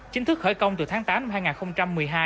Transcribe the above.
chính thức khởi công từ tháng tám năm hai nghìn một mươi hai